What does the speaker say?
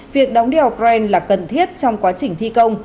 việc đóng đèo bren là cần thiết trong quá trình thi công